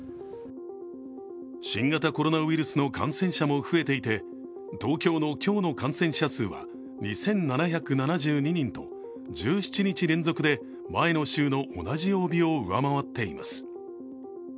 新型コロナウイルスの感染者も増えていて東京の今日の感染者数は２７７２人と１７日連続で前の週の同じ曜日を上回っています。